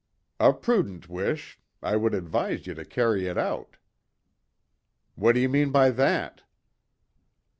"A prudent wish. I would advise ye to carry it out." "What do you mean by that?"